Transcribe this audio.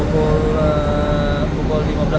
pukul lima belas kurang ya